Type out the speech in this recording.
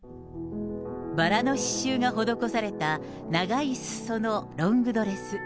バラの刺しゅうが施された長いすそのロングドレス。